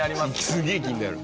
すげえ気になる。